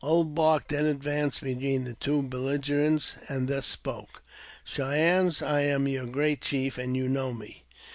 Old Bark then advanced between the two belligerents and thus spoke :" Cheyennes, I am your great chief ; you know me.